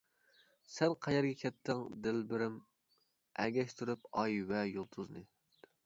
سەن قەيەرگە كەتتىڭ دىلبىرىم، ئەگەشتۈرۈپ ئاي ۋە يۇلتۇزنى.